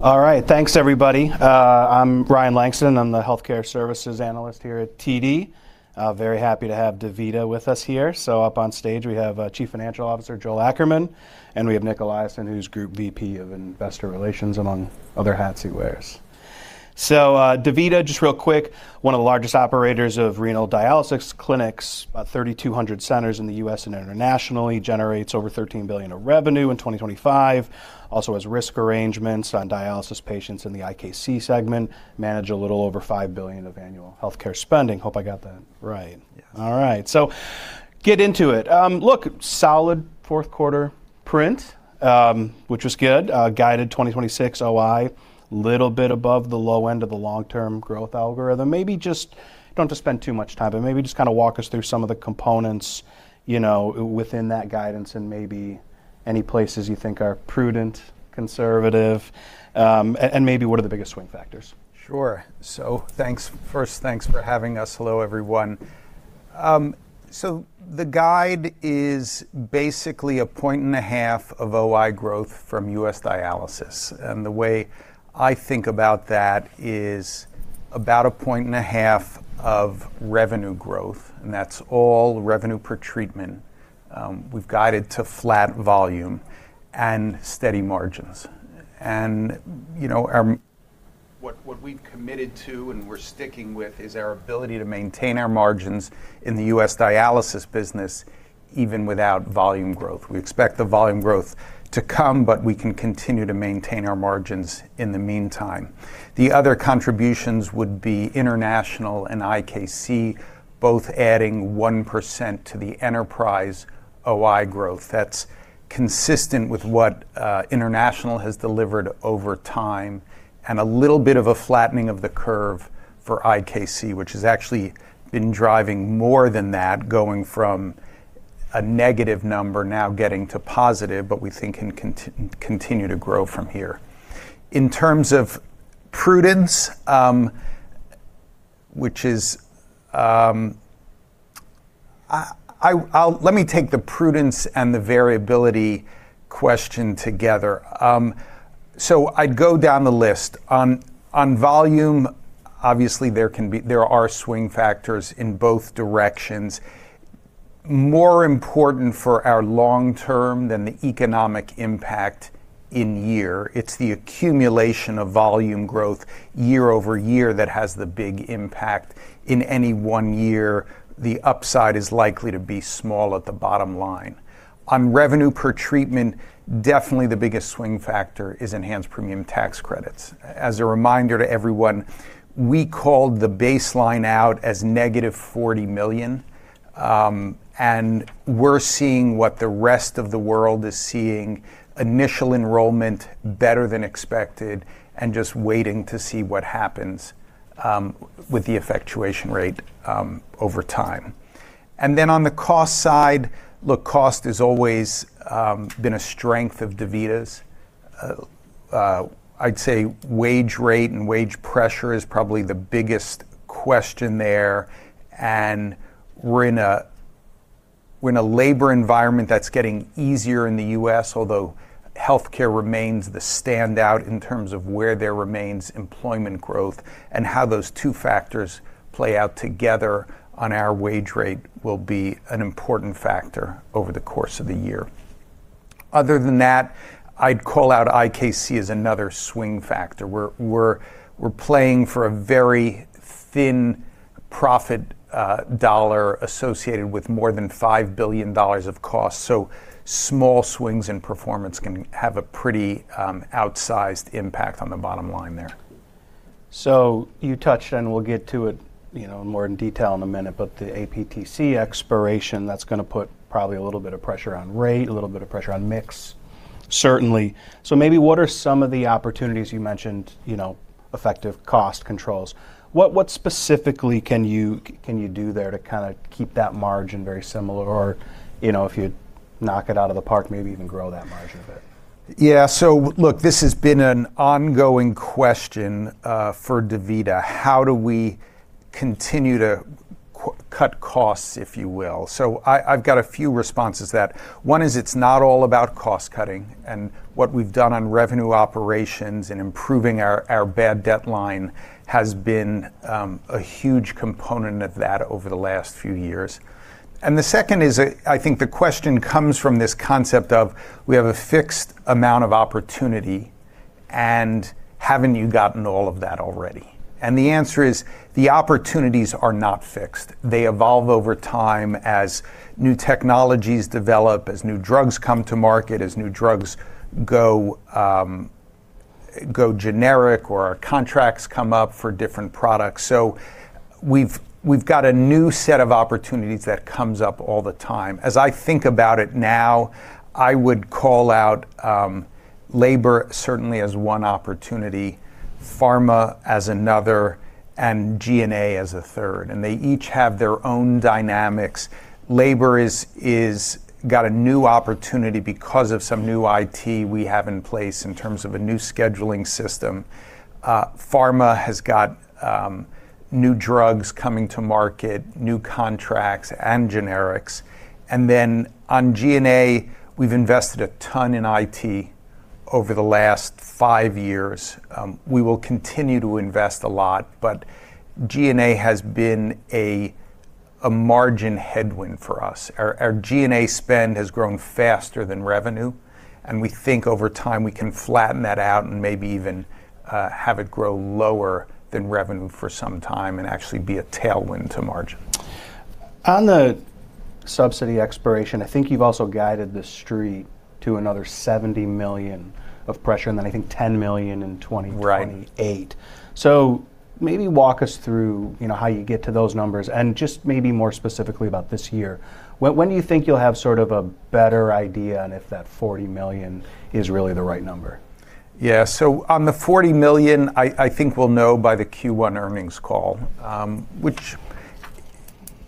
All right. Thanks everybody. I'm Ryan Langston. I'm the healthcare services analyst here at TD. Very happy to have DaVita with us here. Up on stage we have Chief Financial Officer Joel Ackerman, and we have Nick Eliason, who's Group VP of Investor Relations, among other hats he wears. DaVita, just real quick, one of the largest operators of renal dialysis clinics, about 3,200 centers in the U.S. and internationally, generates over $13 billion of revenue in 2025. Also has risk arrangements on dialysis patients in the IKC segment. Manage a little over $5 billion of annual healthcare spending. Hope I got that right. Yeah. All right. Get into it. Look, solid fourth quarter print, which was good. Guided 2026 OI, little bit above the low end of the long-term growth algorithm. Don't have to spend too much time, but maybe just kinda walk us through some of the components, you know, within that guidance and maybe any places you think are prudent, conservative, and maybe what are the biggest swing factors. Sure. Thanks, first, thanks for having us. Hello, everyone. The guide is basically 1.5 points of OI growth from U.S. dialysis, and the way I think about that is about 1.5 points of revenue growth, and that's all revenue per treatment. We've guided to flat volume and steady margins. You know, what we've committed to and we're sticking with is our ability to maintain our margins in the U.S. dialysis business even without volume growth. We expect the volume growth to come, but we can continue to maintain our margins in the meantime. The other contributions would be international and IKC both adding 1% to the enterprise OI growth. That's consistent with what international has delivered over time, and a little bit of a flattening of the curve for IKC, which has actually been driving more than that, going from a negative number now getting to positive, but we think can continue to grow from here. In terms of prudence, Let me take the prudence and the variability question together. I'd go down the list. On volume, obviously there are swing factors in both directions. More important for our long term than the economic impact in year, it's the accumulation of volume growth year-over-year that has the big impact. In any one year, the upside is likely to be small at the bottom line. On revenue per treatment, definitely the biggest swing factor is enhanced premium tax credits. As a reminder to everyone, we called the baseline out as -$40 million, and we're seeing what the rest of the world is seeing, initial enrollment better than expected, and just waiting to see what happens with the effectuation rate over time. On the cost side, look, cost has always been a strength of DaVita's. I'd say wage rate and wage pressure is probably the biggest question there. We're in a labor environment that's getting easier in the U.S., although healthcare remains the standout in terms of where there remains employment growth and how those two factors play out together on our wage rate will be an important factor over the course of the year. Other than that, I'd call out IKC as another swing factor. We're playing for a very thin profit dollar associated with more than $5 billion of cost. Small swings in performance can have a pretty outsized impact on the bottom line there. You touched, and we'll get to it, you know, more in detail in a minute, but the APTC expiration, that's gonna put probably a little bit of pressure on rate, a little bit of pressure on mix. Certainly. Maybe what are some of the opportunities you mentioned, you know, effective cost controls? What specifically can you do there to kinda keep that margin very similar? You know, if you knock it out of the park, maybe even grow that margin a bit. Yeah. Look, this has been an ongoing question for DaVita. How do we continue to cut costs, if you will? I've got a few responses to that. One is it's not all about cost-cutting, and what we've done on revenue operations and improving our bad debt line has been a huge component of that over the last few years. The second is, I think the question comes from this concept of we have a fixed amount of opportunity, and haven't you gotten all of that already? The answer is the opportunities are not fixed. They evolve over time as new technologies develop, as new drugs come to market, as new drugs go generic, or our contracts come up for different products. We've got a new set of opportunities that comes up all the time. As I think about it now, I would call out labor certainly as one opportunity, pharma as another, and G&A as a third, and they each have their own dynamics. Labor is got a new opportunity because of some new IT we have in place in terms of a new scheduling system. Pharma has got new drugs coming to market, new contracts and generics. On G&A, we've invested a ton in IT over the last five years. We will continue to invest a lot, but G&A has been a margin headwind for us. Our G&A spend has grown faster than revenue, and we think over time we can flatten that out and maybe even have it grow lower than revenue for some time and actually be a tailwind to margin. The subsidy expiration, I think you've also guided the street to another $70 million of pressure, and then I think $10 million in twenty-. Right.... 28. Maybe walk us through, you know, how you get to those numbers and just maybe more specifically about this year. When do you think you'll have sort of a better idea on if that $40 million is really the right number? Yeah. On the $40 million, I think we'll know by the Q1 earnings call, which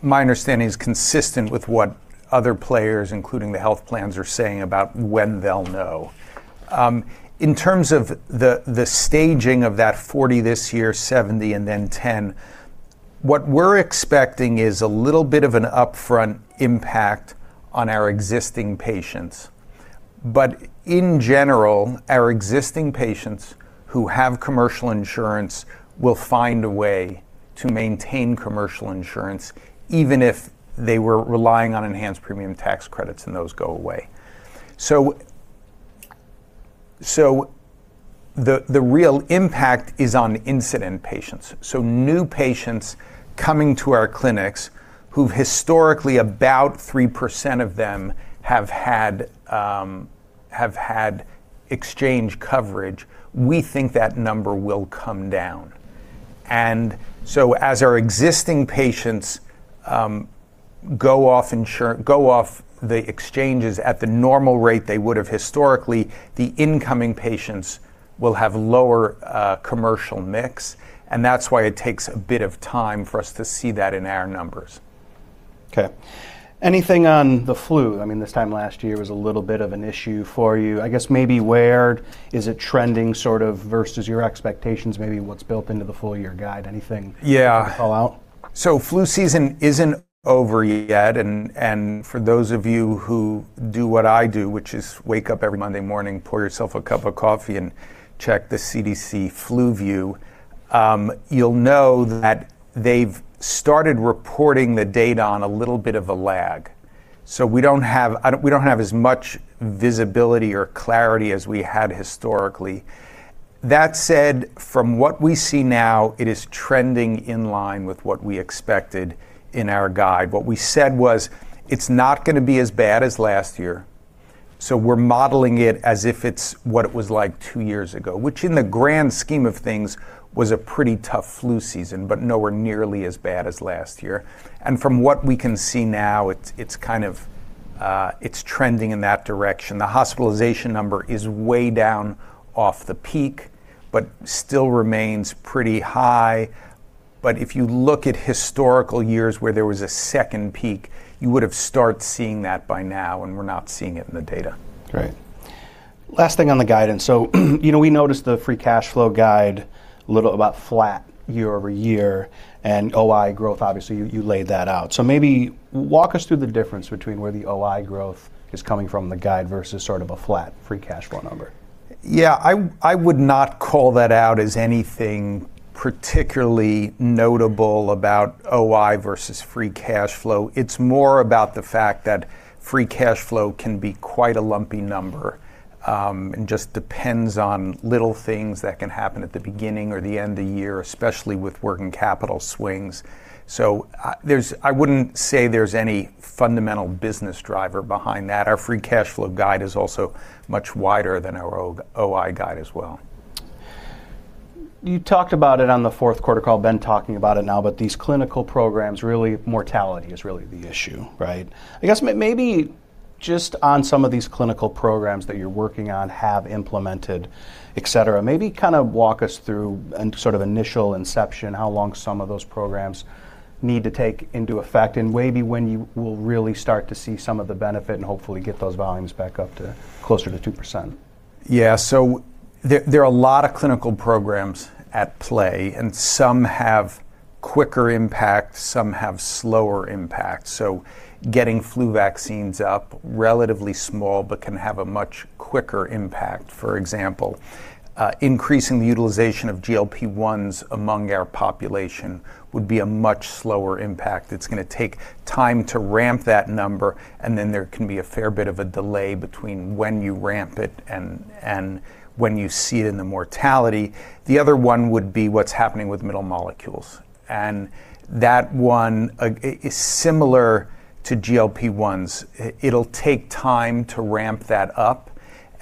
my understanding is consistent with what other players, including the health plans, are saying about when they'll know. In terms of the staging of that $40 this year, $70 and then $10, what we're expecting is a little bit of an upfront impact on our existing patients. In general, our existing patients who have commercial insurance will find a way to maintain commercial insurance even if they were relying on enhanced premium tax credits and those go away. The real impact is on incident patients. New patients coming to our clinics who historically about 3% of them have had exchange coverage, we think that number will come down. As our existing patients, go off the exchanges at the normal rate they would have historically, the incoming patients will have lower, commercial mix, and that's why it takes a bit of time for us to see that in our numbers. Okay. Anything on the flu? I mean, this time last year was a little bit of an issue for you. I guess maybe where is it trending sort of versus your expectations, maybe what's built into the full-year guide? Anything-. Yeah.... call out? Flu season isn't over yet, and for those of you who do what I do, which is wake up every Monday morning, pour yourself a cup of coffee and check the CDC FluView, you'll know that they've started reporting the data on a little bit of a lag. We don't have as much visibility or clarity as we had historically. That said, from what we see now, it is trending in line with what we expected in our guide. What we said was, "It's not gonna be as bad as last year," so we're modeling it as if it's what it was like two years ago, which in the grand scheme of things, was a pretty tough flu season, but nowhere nearly as bad as last year. From what we can see now, it's kind of, it's trending in that direction. The hospitalization number is way down off the peak, but still remains pretty high. If you look at historical years where there was a second peak, you would have start seeing that by now, and we're not seeing it in the data. Last thing on the guidance. You know, we noticed the free cash flow guide about flat year-over-year, and OI growth, obviously, you laid that out. Maybe walk us through the difference between where the OI growth is coming from the guide versus sort of a flat free cash flow number. I would not call that out as anything particularly notable about OI versus free cash flow. It's more about the fact that free cash flow can be quite a lumpy number, and just depends on little things that can happen at the beginning or the end of the year, especially with working capital swings. I wouldn't say there's any fundamental business driver behind that. Our free cash flow guide is also much wider than our OI guide as well. You talked about it on the fourth quarter call, been talking about it now. These clinical programs, really mortality is really the issue, right? I guess maybe just on some of these clinical programs that you're working on, have implemented, et cetera, maybe kind of walk us through and sort of initial inception, how long some of those programs need to take into effect and maybe when you will really start to see some of the benefit and hopefully get those volumes back up to closer to 2%? There are a lot of clinical programs at play, Some have quicker impact, some have slower impact. Getting flu vaccines up, relatively small, but can have a much quicker impact, for example. Increasing the utilization of GLP-1s among our population would be a much slower impact. It's gonna take time to ramp that number, and then there can be a fair bit of a delay between when you ramp it and when you see it in the mortality. The other one would be what's happening with middle molecules. That one is similar to GLP-1s. It'll take time to ramp that up.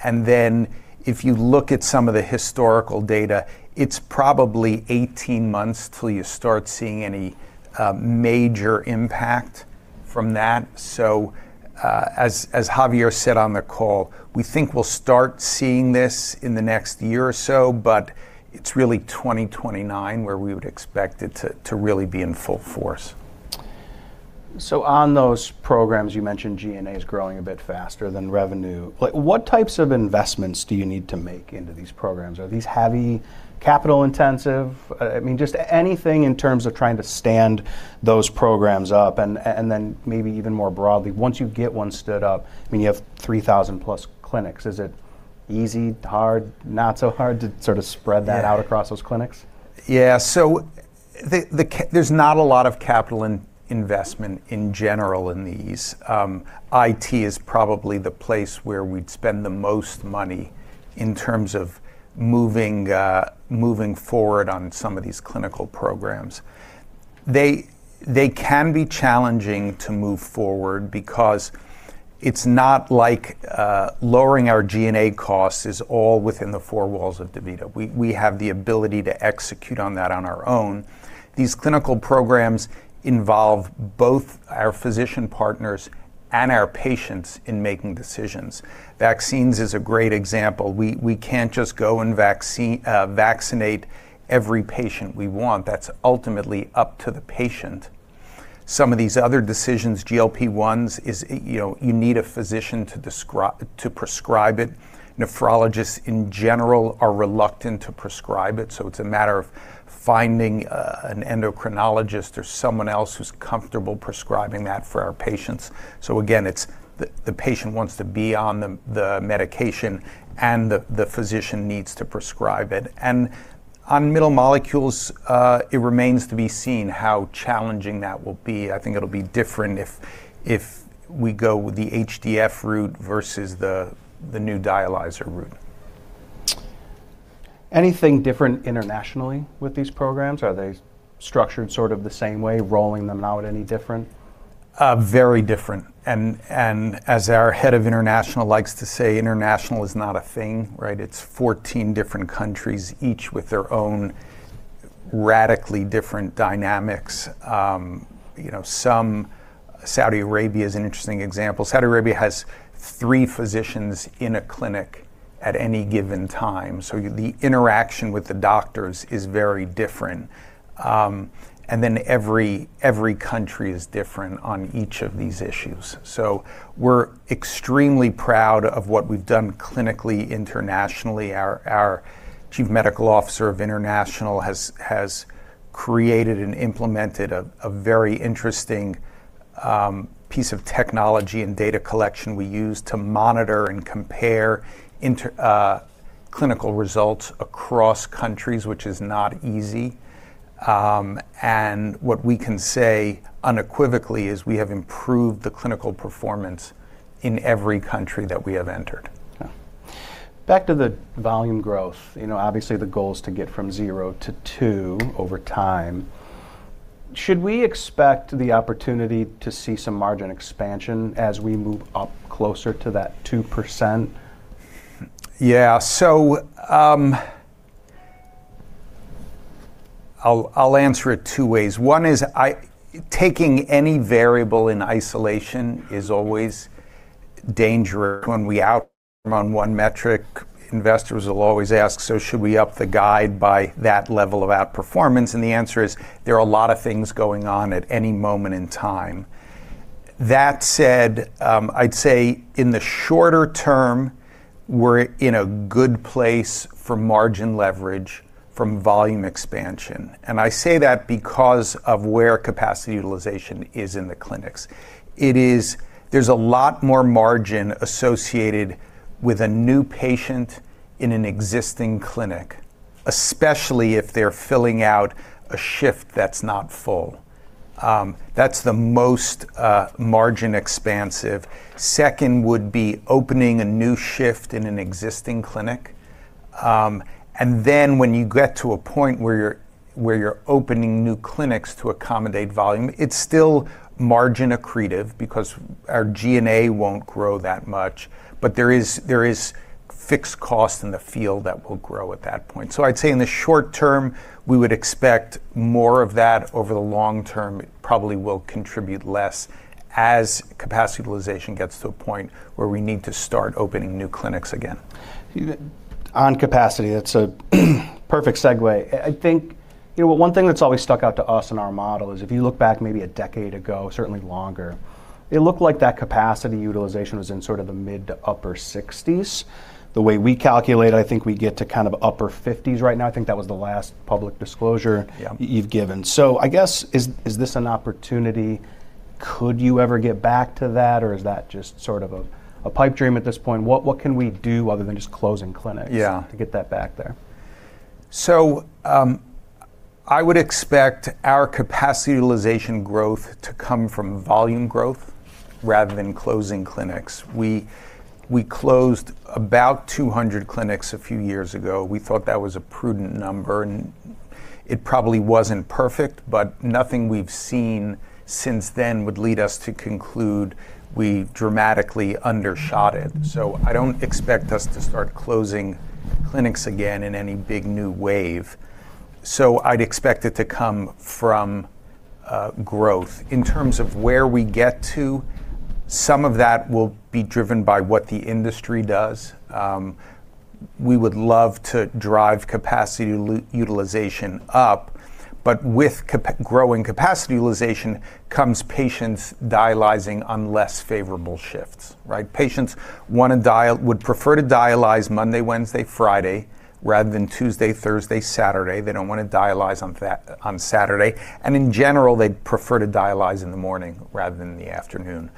If you look at some of the historical data, it's probably 18-months till you start seeing any major impact from that. as Javier said on the call, we think we'll start seeing this in the next year or so, but it's really 2029 where we would expect it to really be in full force. On those programs, you mentioned G&A is growing a bit faster than revenue. Like what types of investments do you need to make into these programs? Are these heavy capital-intensive? I mean, just anything in terms of trying to stand those programs up and then maybe even more broadly, once you get one stood up, I mean, you have 3,000 plus clinics, is it easy, hard, not so hard to sort of spread that out across those clinics? There's not a lot of capital in investment in general in these. IT is probably the place where we'd spend the most money in terms of moving forward on some of these clinical programs. They can be challenging to move forward because it's not like lowering our G&A costs is all within the four walls of DaVita. We have the ability to execute on that on our own. These clinical programs involve both our physician partners and our patients in making decisions. Vaccines is a great example. We can't just go and vaccinate every patient we want. That's ultimately up to the patient. Some of these other decisions, GLP-1s is, you know, you need a physician to prescribe it. Nephrologists in general are reluctant to prescribe it, so it's a matter of finding an endocrinologist or someone else who's comfortable prescribing that for our patients. Again, it's the patient wants to be on the medication, and the physician needs to prescribe it. On middle molecules, it remains to be seen how challenging that will be. I think it'll be different if we go the HDF route versus the new dialyzer route. Anything different internationally with these programs? Are they structured sort of the same way, rolling them out any different? Very different. As our head of international likes to say, international is not a thing, right? It's 14 different countries, each with their own radically different dynamics. You know, Saudi Arabia is an interesting example. Saudi Arabia has three physicians in a clinic at any given time, so the interaction with the doctors is very different. Every country is different on each of these issues. We're extremely proud of what we've done clinically, internationally. Our chief medical officer of international has created and implemented a very interesting piece of technology and data collection we use to monitor and compare clinical results across countries, which is not easy. What we can say unequivocally is we have improved the clinical performance in every country that we have entered. Yeah. Back to the volume growth. You know, obviously, the goal is to get from zero to two over time. Should we expect the opportunity to see some margin expansion as we move up closer to that 2%? I'll answer it two ways. One is, taking any variable in isolation is always dangerous. When we out on one metric, investors will always ask, "Should we up the guide by that level of outperformance?" The answer is, there are a lot of things going on at any moment in time. That said, I'd say in the shorter term, we're in a good place for margin leverage from volume expansion. I say that because of where capacity utilization is in the clinics. There's a lot more margin associated with a new patient in an existing clinic, especially if they're filling out a shift that's not full. That's the most margin expansive. Second would be opening a new shift in an existing clinic. When you get to a point where you're opening new clinics to accommodate volume, it's still margin accretive because our G&A won't grow that much, but there is fixed cost in the field that will grow at that point. I'd say in the short term, we would expect more of that. The long term, it probably will contribute less as capacity utilization gets to a point where we need to start opening new clinics again. On capacity, that's a perfect segue. I think, you know, one thing that's always stuck out to us in our model is if you look back maybe a decade ago, certainly longer, it looked like that capacity utilization was in sort of the mid to upper sixties. The way we calculate it, I think we get to kind of upper fifties right now. I think that was the last public disclosure. Yeah... you've given. I guess, is this an opportunity? Could you ever get back to that, or is that just sort of a pipe dream at this point? What can we do other than just closing clinics- Yeah to get that back there? I would expect our capacity utilization growth to come from volume growth rather than closing clinics. We closed about 200 clinics a few years ago. We thought that was a prudent number, and it probably wasn't perfect, but nothing we've seen since then would lead us to conclude we dramatically undershot it. I don't expect us to start closing clinics again in any big new wave. I'd expect it to come from growth. In terms of where we get to, some of that will be driven by what the industry does. We would love to drive capacity utilization up, but with growing capacity utilization comes patients dialyzing on less favorable shifts, right? Patients would prefer to dialyze Monday, Wednesday, Friday rather than Tuesday, Thursday, Saturday. They don't wanna dialyze on Saturday. In general, they'd prefer to dialyze in the morning rather than in the afternoon.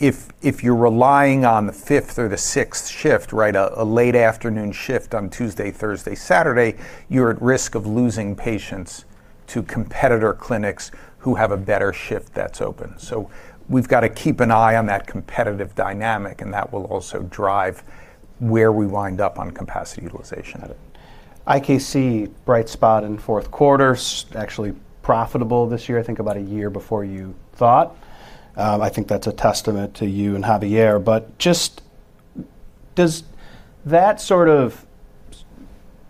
If you're relying on the fifth or the sixth shift, right, a late afternoon shift on Tuesday, Thursday, Saturday, you're at risk of losing patients to competitor clinics who have a better shift that's open. We've gotta keep an eye on that competitive dynamic, and that will also drive where we wind up on capacity utilization. Got it. IKC, bright spot in fourth quarter, actually profitable this year. I think about a year before you thought. I think that's a testament to you and Javier. Just, does that sort of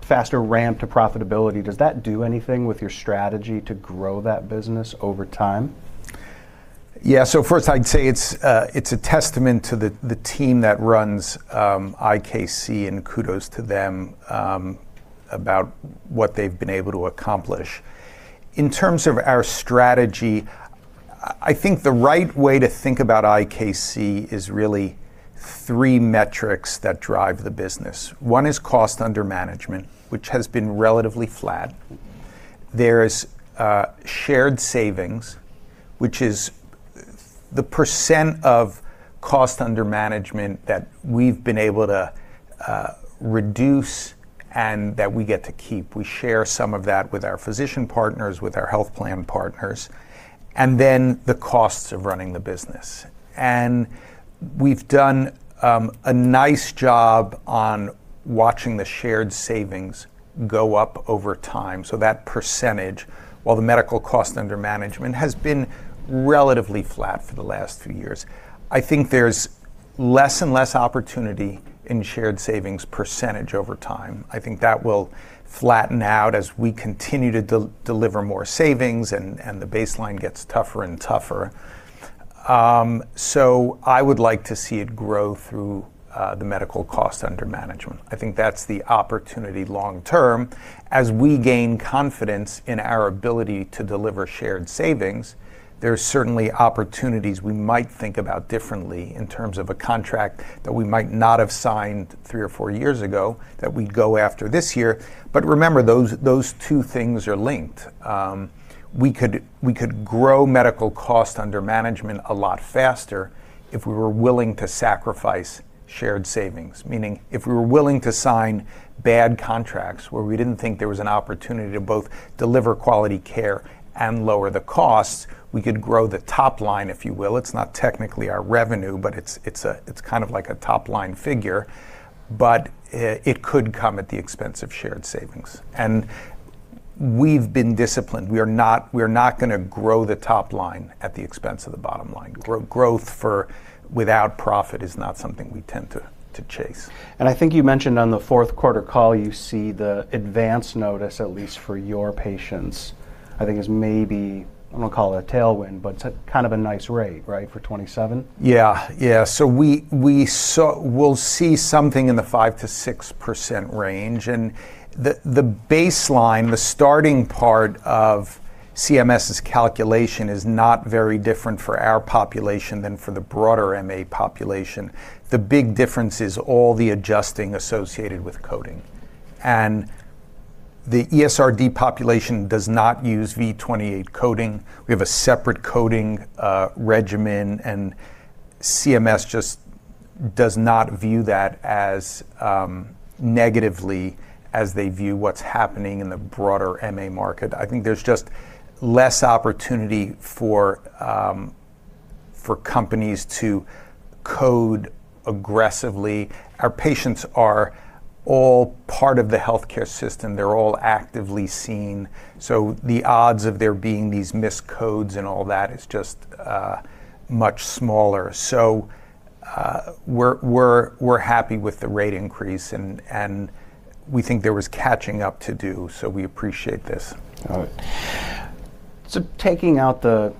faster ramp to profitability, does that do anything with your strategy to grow that business over time? Yeah. First I'd say it's a testament to the team that runs IKC, and kudos to them about what they've been able to accomplish. In terms of our strategy, I think the right way to think about IKC is really three metrics that drive the business. One is cost under management, which has been relatively flat. There's shared savings, which is the percent of cost under management that we've been able to reduce and that we get to keep. We share some of that with our physician partners, with our health plan partners. The costs of running the business. We've done a nice job on watching the shared savings go up over time. That percentage, while the medical cost under management has been relatively flat for the last few years. I think there's less and less opportunity in shared savings percentage over time. I think that will flatten out as we continue to deliver more savings and the baseline gets tougher and tougher. I would like to see it grow through the medical cost under management. I think that's the opportunity long term. As we gain confidence in our ability to deliver shared savings, there's certainly opportunities we might think about differently in terms of a contract that we might not have signed three or four years ago that we'd go after this year. Remember, those two things are linked. We could grow medical cost under management a lot faster if we were willing to sacrifice shared savings. Meaning, if we were willing to sign bad contracts where we didn't think there was an opportunity to both deliver quality care and lower the cost, we could grow the top line, if you will. It's not technically our revenue, but it's a, it's kind of like a top line figure, but it could come at the expense of shared savings. We've been disciplined. We're not gonna grow the top line at the expense of the bottom line. Growth without profit is not something we tend to chase. I think you mentioned on the fourth quarter call, you see the advance notice, at least for your patients, I think is maybe, I don't wanna call it a tailwind, but it's a kind of a nice rate, right? For 2027. Yeah. Yeah. We'll see something in the 5%-6% range. The baseline, the starting part of CMS's calculation is not very different for our population than for the broader MA population. The big difference is all the adjusting associated with coding. The ESRD population does not use V28 coding. We have a separate coding regimen, and CMS just does not view that as negatively as they view what's happening in the broader MA market. I think there's just less opportunity for companies to code aggressively. Our patients are all part of the healthcare system. They're all actively seen, so the odds of there being these miscodes and all that is just much smaller. We're happy with the rate increase and we think there was catching up to do, so we appreciate this. Got it. Taking out the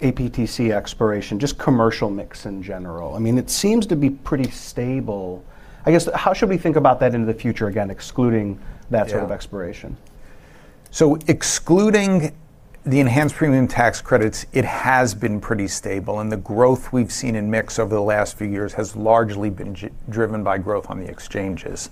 APTC expiration, just commercial mix in general, I mean, it seems to be pretty stable. I guess, how should we think about that into the future, again, excluding that-? Yeah. sort of expiration? Excluding the enhanced premium tax credits, it has been pretty stable, and the growth we've seen in mix over the last few years has largely been driven by growth on the exchanges.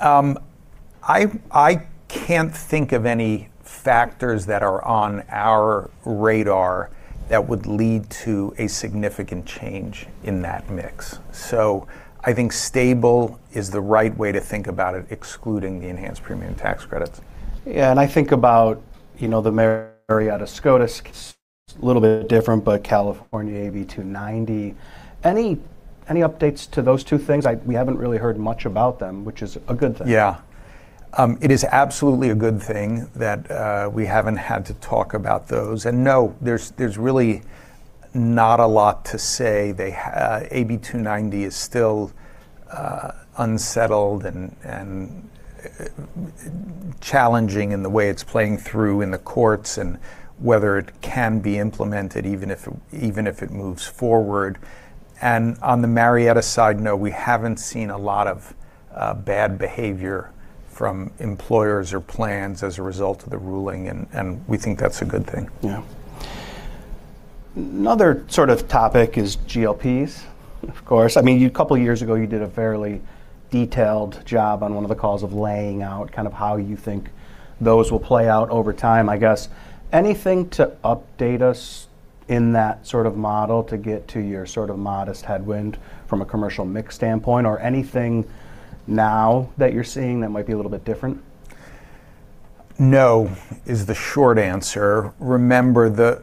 I can't think of any factors that are on our radar that would lead to a significant change in that mix. I think stable is the right way to think about it, excluding the enhanced premium tax credits. Yeah. I think about, you know, the Marietta SCOTUS, a little bit different, but California AB 290. Any updates to those two things? We haven't really heard much about them, which is a good thing. Yeah. It is absolutely a good thing that we haven't had to talk about those. No, there's really not a lot to say. AB 290 is still unsettled and challenging in the way it's playing through in the courts and whether it can be implemented, even if it moves forward. On the Marietta side, no, we haven't seen a lot of bad behavior from employers or plans as a result of the ruling and we think that's a good thing. Yeah. Another sort of topic is GLPs, of course. I mean, couple years ago, you did a fairly detailed job on one of the calls of laying out kind of how you think those will play out over time, I guess. Anything to update us in that sort of model to get to your sort of modest headwind from a commercial mix standpoint, or anything now that you're seeing that might be a little bit different? No is the short answer. Remember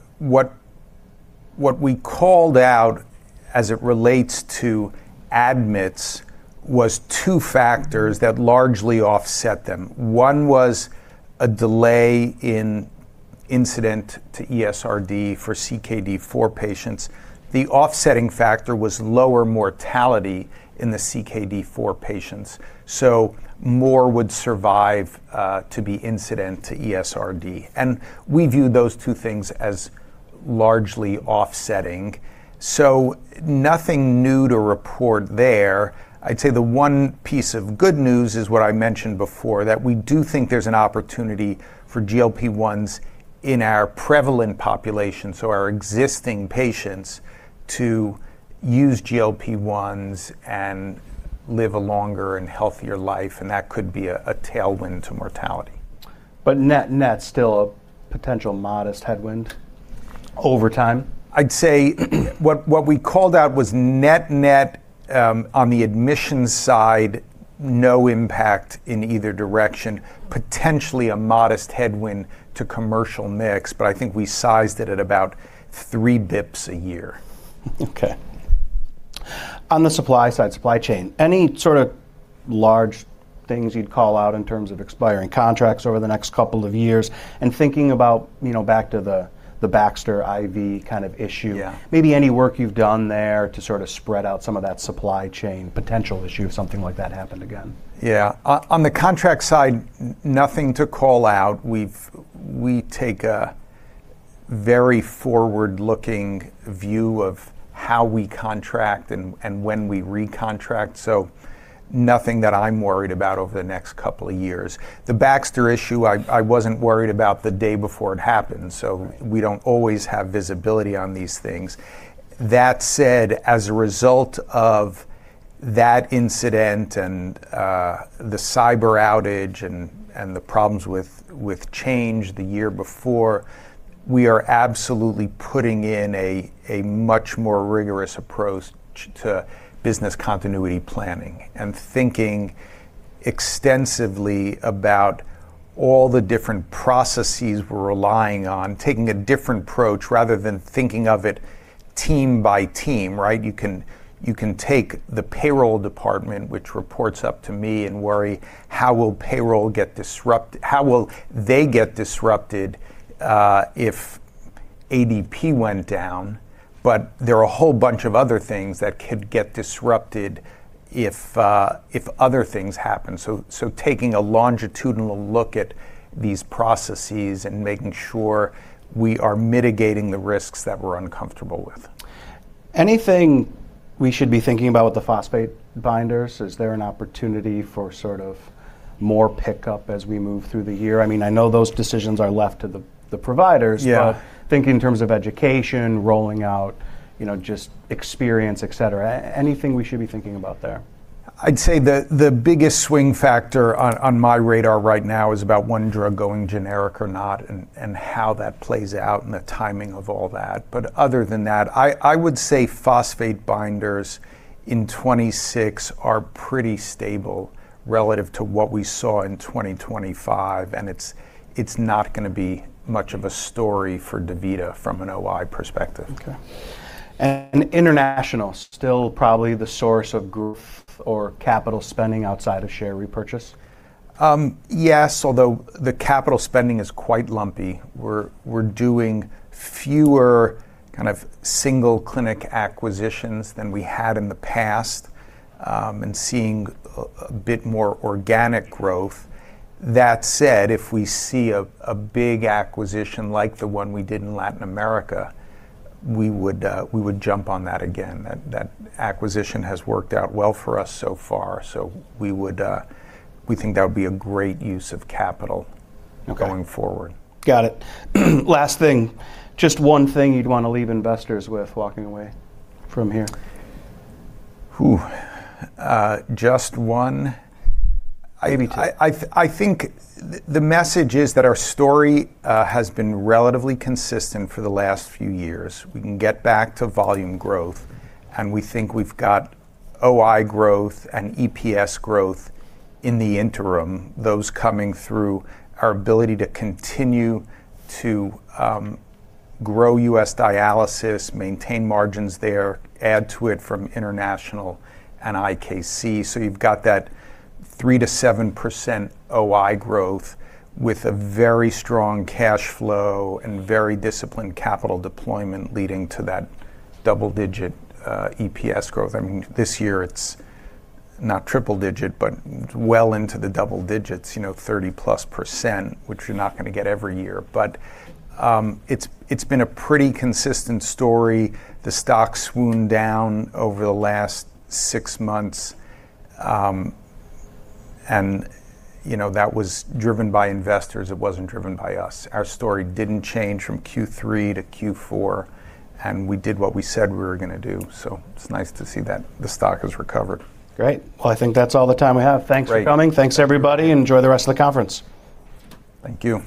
what we called out as it relates to admits was two factors that largely offset them. One was a delay in incident to ESRD for CKD four patients. The offsetting factor was lower mortality in the CKD four patients. More would survive to be incident to ESRD. We view those two things as largely offsetting. Nothing new to report there. I'd say the one piece of good news is what I mentioned before, that we do think there's an opportunity for GLP-1s in our prevalent population, so our existing patients, to use GLP-1s and live a longer and healthier life, and that could be a tailwind to mortality. net-net, still a potential modest headwind over time? I'd say what we called out was net-net, on the admissions side, no impact in either direction. Potentially a modest headwind to commercial mix, but I think we sized it at about 3 basis points a year. Okay. On the supply side, supply chain, any sort of large things you'd call out in terms of expiring contracts over the next couple of years? Thinking about, you know, back to the Baxter IV kind of issue. Yeah. Maybe any work you've done there to sort of spread out some of that supply chain potential issue if something like that happened again. Yeah. On the contract side, nothing to call out. We take a very forward-looking view of how we contract and when we recontract. Nothing that I'm worried about over the next couple of years. The Baxter issue, I wasn't worried about the day before it happened. Right. We don't always have visibility on these things. That said, as a result of that incident and the cyber outage and the problems with Change Healthcare the year before, we are absolutely putting in a much more rigorous approach to business continuity planning and thinking extensively about all the different processes we're relying on, taking a different approach rather than thinking of it team by team, right? You can take the payroll department, which reports up to me, and worry how will they get disrupted if ADP went down? There are a whole bunch of other things that could get disrupted if other things happen. Taking a longitudinal look at these processes and making sure we are mitigating the risks that we're uncomfortable with. Anything we should be thinking about with the phosphate binders? Is there an opportunity for sort of more pickup as we move through the year? I mean, I know those decisions are left to the providers. Yeah. But thinking in terms of education, rolling out, you know, just experience, et cetera. Anything we should be thinking about there? I'd say the biggest swing factor on my radar right now is about one drug going generic or not and how that plays out and the timing of all that. Other than that, I would say phosphate binders in 2026 are pretty stable relative to what we saw in 2025, and it's not gonna be much of a story for DaVita from an OI perspective. Okay. International, still probably the source of growth or capital spending outside of share repurchase? Yes, although the capital spending is quite lumpy. We're doing fewer kind of single clinic acquisitions than we had in the past, and seeing a bit more organic growth. If we see a big acquisition like the one we did in Latin America, we would jump on that again. That acquisition has worked out well for us so far, so we would think that would be a great use of capital. Okay. Going forward. Got it. Last thing. Just one thing you'd wanna leave investors with walking away from here. Ooh. Just one? Maybe 2. I think the message is that our story has been relatively consistent for the last few years. We can get back to volume growth. We think we've got OI growth and EPS growth in the interim, those coming through our ability to continue to grow U.S. dialysis, maintain margins there, add to it from international and IKC. You've got that 3%-7% OI growth with a very strong cash flow and very disciplined capital deployment leading to that double-digit EPS growth. I mean, this year it's not triple digit, but well into the double digits. You know, 30% plus, which you're not gonna get every year. It's been a pretty consistent story. The stock swooned down over the last six months. You know, that was driven by investors. It wasn't driven by us. Our story didn't change from Q3-Q4, and we did what we said we were gonna do. It's nice to see that the stock has recovered. Great. Well, I think that's all the time we have. Great. Thanks for coming. Thanks, everybody. Enjoy the rest of the conference. Thank you.